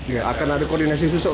ya akan ada koordinasi khusus